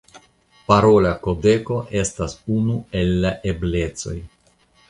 Parola kodeko estas unu el la eblecoj.